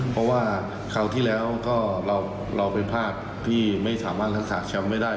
เพราะว่าคราวที่แล้วก็เราเป็นภาพที่ไม่สามารถรักษาแชมป์ไม่ได้